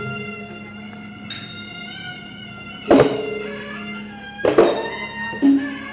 สวัสดีครับทุกคน